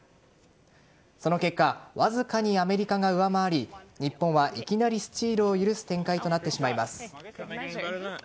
その結果わずかにアメリカが上回り日本はいきなりスチールを許す展開となってしまいます。